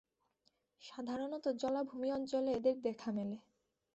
সাধারণত জলাভূমি অঞ্চলে এদের দেখা মেলে।